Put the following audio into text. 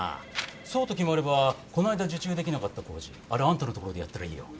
そうと決まればこの間受注できなかった工事あれあんたのところでやったらいいよ。